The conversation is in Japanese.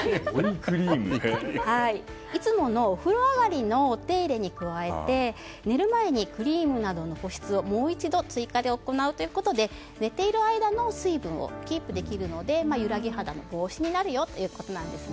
いつものお風呂上がりのお手入れに加えて寝る前にクリームなどの保湿をもう一度追加で行うことで寝ている間の水分をキープできるので揺らぎ肌の防止になるよということなんです。